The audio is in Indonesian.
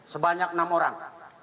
sebanyak enam orang